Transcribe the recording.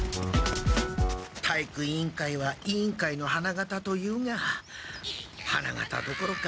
体育委員会は委員会の花形というが花形どころか